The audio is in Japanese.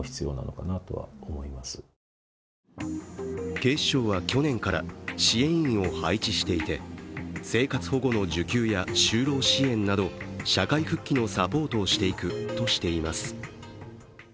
警視庁は去年から支援員を配置していて生活保護の受給や就労支援など社会復帰のサポートをしていくとしています。